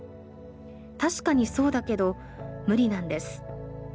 確かにそうだけど無理なんです。